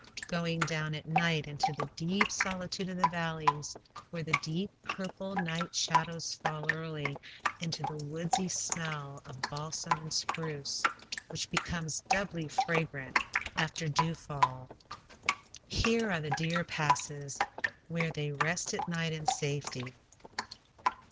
Going down at night into the deep solitude of the valleys, where the deep, purple night shadows fall early, into the woodsy smell of balsam and spruce, which becomes doubly fragrant after dew fall. Here are the deer passes, where they rest at night in safety.